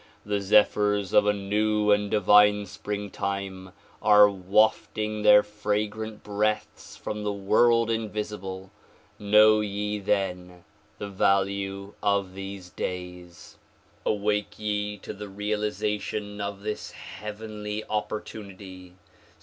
The zei)hyrs of a new and divine springtime are wafting their fragrant breaths from the world invisible. Know ye then the value of these days. Awake ye to the realization of this heavenly opportunity.